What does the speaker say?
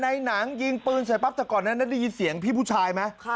ในหนังยิงปืนใส่กระจกหน้าได้ยินเสียงพี่ผู้ชายมั้ย